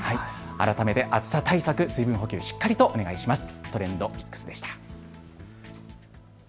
改めて暑さ対策と水分補給、しっかりお願いします。